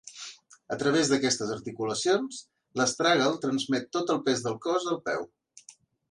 A través d'aquestes articulacions, l'astràgal transmet tot el pes del cos al peu.